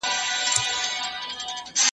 زده کړې نجونې د خلکو ترمنځ تفاهم پياوړی کوي.